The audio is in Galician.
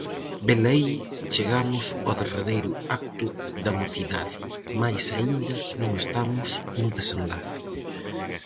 Velaí chegamos ao derradeiro acto da mocidade, mais aínda non estamos no desenlace.